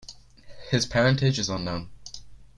His parentage is unknown.